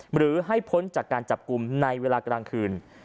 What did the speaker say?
หรือให้พ้นจากการจับกลุ่มในเวลากลางคืน